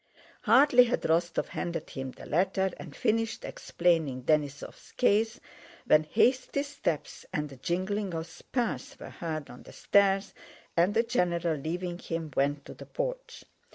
Hardly had Rostóv handed him the letter and finished explaining Denísov's case, when hasty steps and the jingling of spurs were heard on the stairs, and the general, leaving him, went to the porch.